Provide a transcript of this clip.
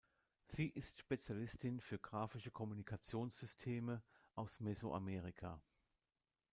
Sie ist Spezialistin für graphische Kommunikationssysteme aus Mesoamerika.